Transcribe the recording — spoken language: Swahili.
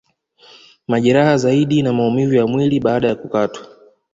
Majeraha zaidi na maumivu ya mwii baada ya kukatwa